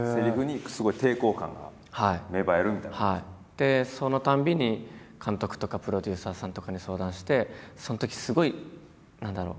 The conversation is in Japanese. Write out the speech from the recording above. でそのたんびに監督とかプロデューサーさんとかに相談してそのときすごい何だろう